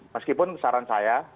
meskipun saran saya